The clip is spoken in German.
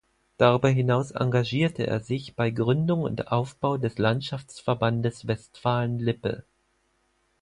Darüber hinaus engagierte er sich bei Gründung und Aufbau des Landschaftsverbandes Westfalen-Lippe.